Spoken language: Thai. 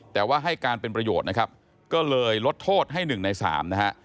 แต่ว่าให้การเป็นประโยชน์นะครับก็เลยลดโทษให้๑ใน๓นะฮะ